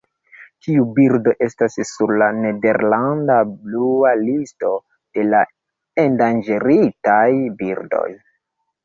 Tiu birdo estas sur la "Nederlanda Blua Listo" de la endanĝeritaj birdoj.